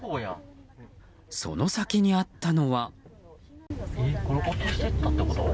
その先にあったのは。